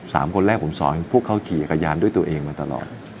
สามคนแรกผมสอนให้พวกเขาขี่จักรยานด้วยตัวเองมาตลอด